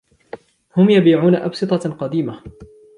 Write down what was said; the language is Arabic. هم يبيعون أبسطة قديمة.